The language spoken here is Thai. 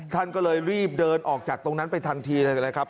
ท่านก็เลยรีบเดินออกจากตรงนั้นไปทันทีเลยนะครับ